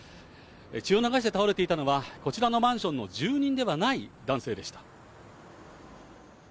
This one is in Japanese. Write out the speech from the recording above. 血を流して倒れていたのはこちらのマンションの住人ではない男性でした。